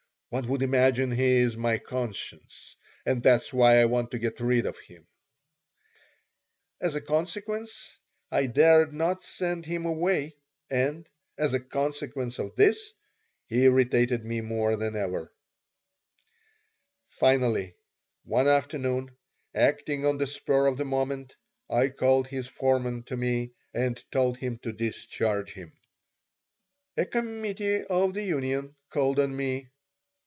"One would imagine he's my conscience and that's why I want to get rid of him." As a consequence, I dared not send him away, and, as a consequence of this, he irritated me more than ever Finally, one afternoon, acting on the spur of the moment, I called his foreman to me and told him to discharge him A committee of the union called on me.